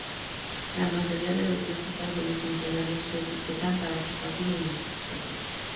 La mayoría de los viejos árboles centenarios se etiquetan para su fácil identificación.